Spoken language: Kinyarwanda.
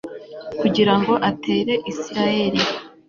kugira ngo atere israheli